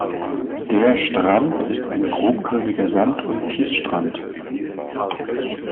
Der Strand ist ein grobkörniger Sand- und Kiesstrand.